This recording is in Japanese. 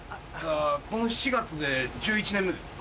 この４月で１１年目です。